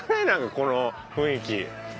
なんかこの雰囲気。